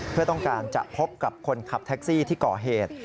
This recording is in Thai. เพื่อต้องการจะพบกับคนขับแท็กซี่ที่ก่อเหตุ